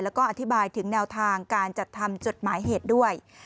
แล้วก็อธิบายถึงแนวทางการจัดทำจดหมายเหตุด้วย